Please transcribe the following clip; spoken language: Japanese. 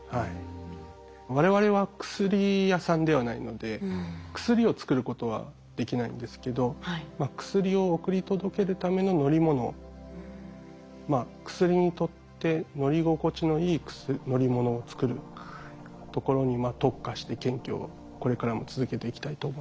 我々は薬屋さんではないので薬を作ることはできないんですけど薬を送り届けるための乗り物薬にとって乗り心地のいい乗り物を作るところに特化して研究をこれからも続けていきたいと思います。